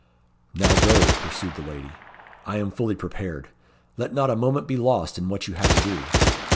"Now go," pursued the lady; "I am fully prepared. Let not a moment be lost in what you have to do.